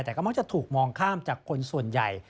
แต่ก็มักจะถูกมองข้ามจากคนส่วนใหญ่